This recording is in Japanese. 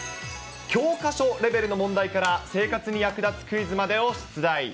教科書レベルの問題から、生活に役立つクイズまでを出題。